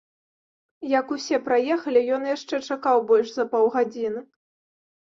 Як усе праехалі, ён яшчэ чакаў больш за паўгадзіны.